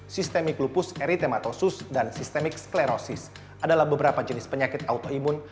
systemic lupus eritematosus dan systemic sklerosis adalah beberapa jenis penyakit autoimun